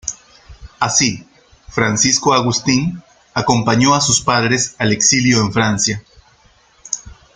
Así, Francisco Agustín acompañó a sus padres al exilio en Francia.